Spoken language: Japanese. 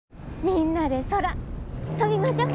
みんなで空飛びましょ！